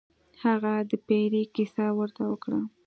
هغه د پیري کیسه ورته وکړه.